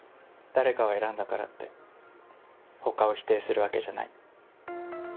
誰かを選んだからって他を否定するわけじゃない。